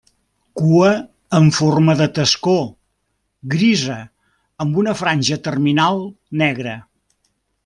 Cua amb forma de tascó, grisa amb una franja terminal negra.